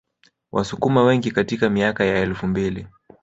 Wasukuma wengi katika miaka ya elfu mbili